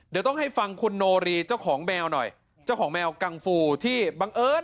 เดี๋ยวต้องให้ฟังคุณโนรีเจ้าของแมวหน่อยเจ้าของแมวกังฟูที่บังเอิญ